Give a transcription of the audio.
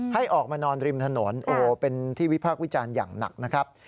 ให้ออกมานอนริมถนนโอ้โหเป็นที่วิพากษ์วิจารณ์อย่างหนักนะครับ